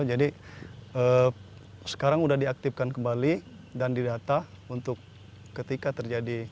sekarang sudah diaktifkan kembali dan didata untuk ketika terjadi